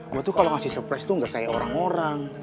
gue tuh kalau ngasih surprise tuh gak kayak orang orang